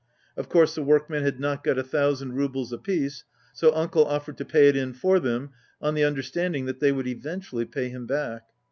Of course the workmen had not got a thousand roubles apiece, "so uncle offered to pay it in for them, on the understanding that they would eventually pay him back."